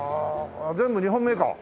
全部日本メーカー？